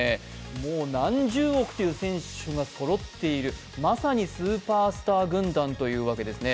もう何十億という選手がそろっている、まさにスーパースター軍団というわけですね。